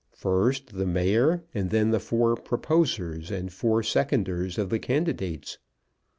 First the mayor, and then the four proposers and four seconders of the candidates.